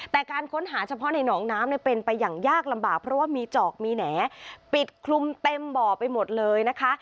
แต่การค้นหาเฉพาะในหนองน้ำเนี่ยเป็นไปอย่างยากลำบากเพราะว่ามีจอกมีแหน่ปิดคลุมเต็มบ่อไปหมดเลยนะคะ